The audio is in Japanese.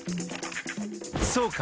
そうか！